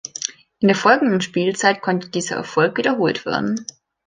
In der folgenden Spielzeit konnte dieser Erfolg wiederholt werden.